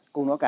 cũng nó cả